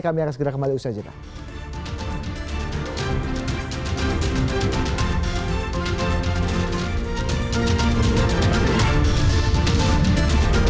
kami akan segera kembali usai cerita